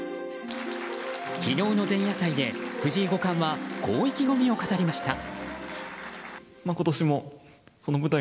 昨日の前夜祭で藤井五冠はこう意気込みを語りました。